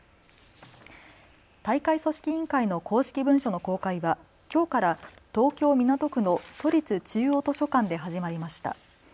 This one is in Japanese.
大会組織委員会の公式文書の公開はきょうから東京港区の都立中央図書館で始まりました。